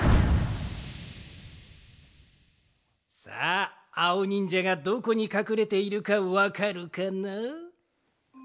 さああおにんじゃがどこにかくれているかわかるかな？